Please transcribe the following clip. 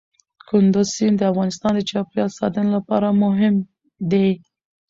کندز سیند د افغانستان د چاپیریال ساتنې لپاره مهم دي.